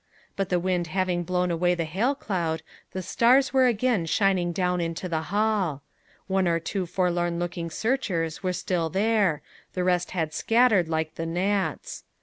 But the wind having blown away the hail cloud, the stars were again shining down into the hall. One or two forlorn looking searchers were still there; the rest had scattered like the gnats.